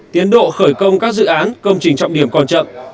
tiến độ khởi công các dự án công trình trọng điểm còn chậm